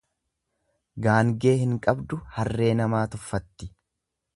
Gaangee hin qabdu harree namaa tuffatti.